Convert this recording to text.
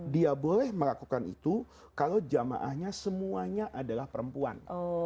dia boleh melakukan itu kalau jamaahnya semuanya adalah perempuan